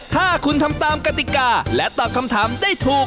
ถ้าคุณทำตามกติกาและตอบคำถามได้ถูก